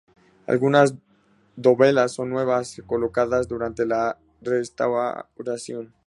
Algunas dovelas son nuevas, colocadas durante la restauración.